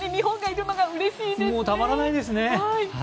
たまらないですね。